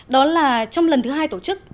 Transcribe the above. đó là trong lần thứ hai tổ chức